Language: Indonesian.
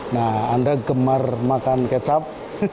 nah anda gemar makan kecap